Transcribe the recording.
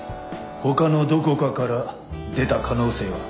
他のどこかから出た可能性は？